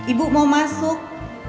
ibu mau masuk